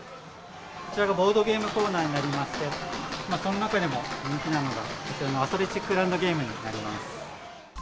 こちらがボードゲームコーナーになりまして、その中でも、人気なのが、こちらのアスレチックランドゲームになります。